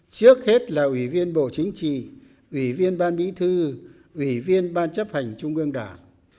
trước hết là ủy viên bộ chính trị ủy viên ban bí thư ủy viên ban chấp hành trung ương đảng